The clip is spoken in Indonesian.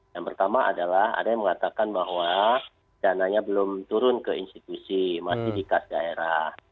yang pertama adalah ada yang mengatakan bahwa dananya belum turun ke institusi masih di kas daerah